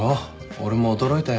俺も驚いたよ。